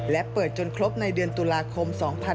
และเปิดจนครบในเดือนตุลาคม๒๕๖๒